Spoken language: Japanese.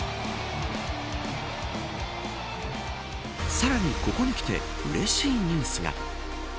さらにここに来てうれしいニュースが。